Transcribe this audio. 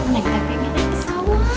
nengka pengen nengsa wak